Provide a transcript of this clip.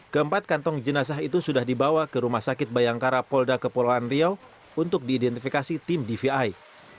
keempat kantong jenazah itu sudah dibawa ke rumah sakit bayangkara polda kepulauan riau untuk diidentifikasi tim dvi